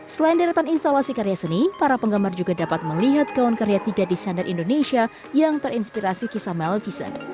selain deretan instalasi karya seni para penggemar juga dapat melihat gaun karya tiga desainer indonesia yang terinspirasi kisah melfison